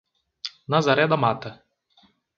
Nazaré da Mata